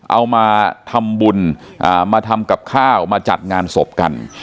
เอามาทำบุญมาทำกับข้าวมาจัดงานศพกัน